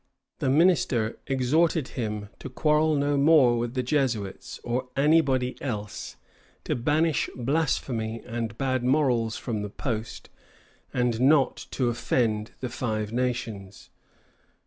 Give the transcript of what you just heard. The minister exhorted him to quarrel no more with the Jesuits, or anybody else, to banish blasphemy and bad morals from the post, and not to offend the Five Nations.